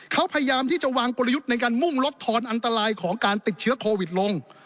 เขาพยายามที่จะวางกลยุทธ์ในการมุ่งลดทอนอันตรายของการติดเชื้อโควิดลง